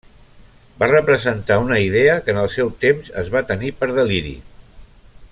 Va representar una idea que en el seu temps es va tenir per deliri.